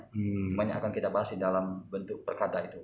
semuanya akan kita bahas di dalam bentuk perkata itu